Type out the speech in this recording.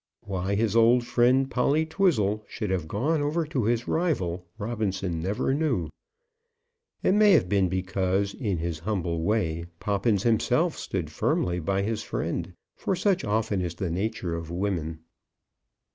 Why his old friend, Polly Twizzle, should have gone over to his rival, Robinson never knew. It may have been because, in his humble way, Poppins himself stood firmly by his friend; for such often is the nature of women.